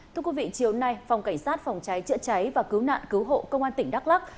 thưa quý vị chiều nay phòng cảnh sát phòng cháy chữa cháy và cứu nạn cứu hộ công an tỉnh đắk lắc